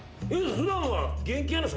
普段は。